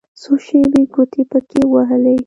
څو شېبې يې ګوتې پکښې ووهلې.